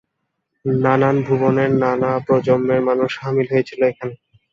নানান ভুবনের, নানা প্রজন্মের মানুষ শামিল হয়েছিলেন এখানে।